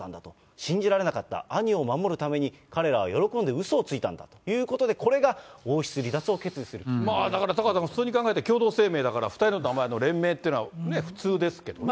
信じられなかった、兄を守るために、彼らは喜んで、うそをついたんだということで、だから、タカさん、普通に考えて、共同声明だから２人の名前の連名っていうのはね、普通ですけどね。